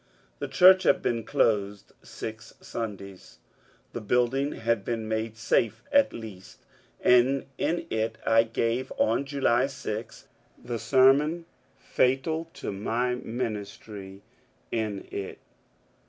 The church had been closed six Sundays. The building had been made safe at least, and in it I gSLve on July 6 the sermon fatal to my ministry in it.